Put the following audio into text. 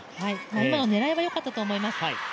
今、狙いはよかったと思います。